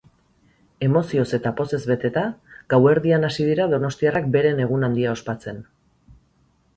Emozioz eta pozez beteta, gauerdian hasi dira donostiarrak beren egun handia ospatzen.